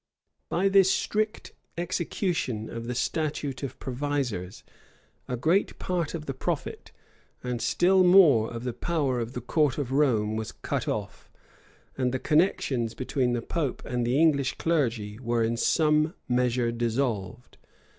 [] {1532.} By this strict execution of the statute of provisors, a great part of the profit, and still more of the power of the court of Rome was cut off; and the connections between the pope and the English clergy were in some measure dissolved.